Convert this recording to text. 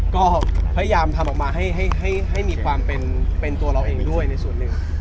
ก็พยายามทำออกมาให้มีความเป็นตัวเราเองด้วยในส่วนหนึ่ง